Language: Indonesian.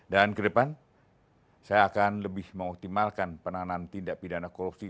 dan ke depan saya akan lebih mengoptimalkan penanganan tindak pidana korupsi